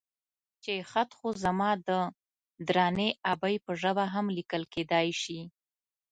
چې خط خو زما د درنې ابۍ په ژبه هم ليکل کېدای شي.